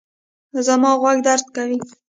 زما غوږ درد کوي